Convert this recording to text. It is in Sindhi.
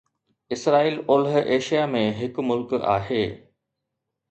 اسرائيل اولهه ايشيا ۾ هڪ ملڪ آهي